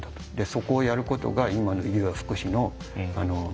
そこをやることが今の医療福祉の。